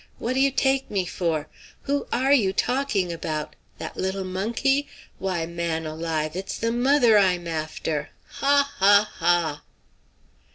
What do you take me for? Who are you talking about? That little monkey? Why, man alive, it's the mother I'm after. Ha, ha, ha!"